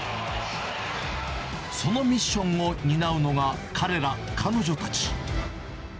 そのミッションを担うのが、彼ら、彼女たち。